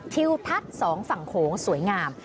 ทิวพัดสองฝั่งโขงสวยงาม